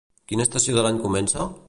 Quina estació de l'any comença?